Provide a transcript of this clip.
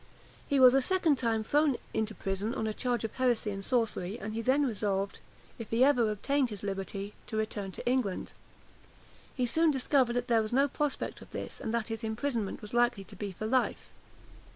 He was a second time thrown into prison, on a charge of heresy and sorcery; and he then resolved, if ever he obtained his liberty, to return to England. He soon discovered that there was no prospect of this, and that his imprisonment was likely to be for life.